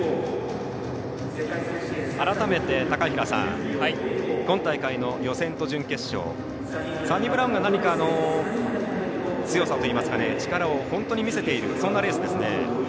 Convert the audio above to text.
改めて、高平さん今大会の予選と準決勝サニブラウンが何か、強さといいますか力を本当に見せているそんなレースですね。